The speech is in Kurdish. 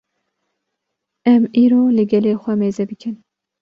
Em îro li gelê xwe mêze bikin